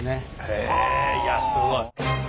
へえいやすごい。